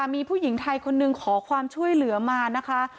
มีผู้หญิงไทยคนหนึ่งขอความช่วยเหลือมานะคะ